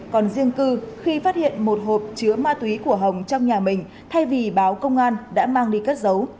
còn riêng cư khi phát hiện một hộp chứa ma túy của hồng trong nhà mình thay vì báo công an đã mang đi cất giấu